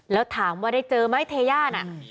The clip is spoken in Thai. แล้วถามว่าได้เจอไหมเทย่าน่ะ